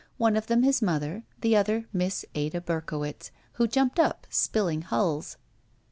One of them his mother, the other Miss Ada Berkowitz, who jumped up, spilling hulls.